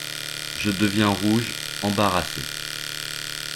Je deviens rouge, embarrassée…